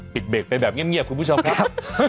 เบรกไปแบบเงียบคุณผู้ชมครับ